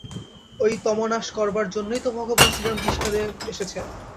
ঐ তমোনাশ করবার জন্যেই তো ভগবান শ্রীরামকৃষ্ণদেব এসেছেন।